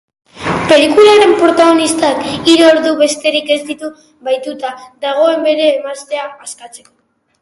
Pelikularen protagonistak hiru ordu besterik ez ditu bahituta dagoen bere emaztea askatzeko.